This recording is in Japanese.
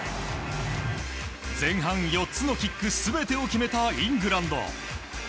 前半４つのキック全てを決めたイングランド。